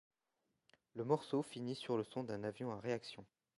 Le morceau finit sur le son d’un avion à réaction.